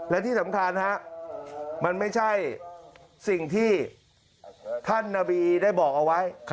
และที่สำคัญฮะมันไม่ใช่สิ่งที่ท่านนาบีได้บอกเอาไว้